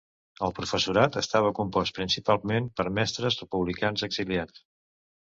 El professorat estava compost principalment per mestres republicans exiliats.